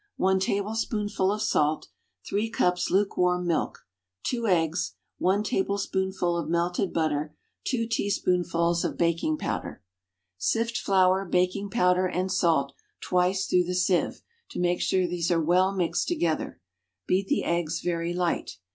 One tablespoonful of salt. Three cups lukewarm milk. Two eggs. One tablespoonful of melted butter. Two teaspoonfuls of baking powder. Sift flour, baking powder and salt twice through the sieve, to make sure these are well mixed together. Beat the eggs very light.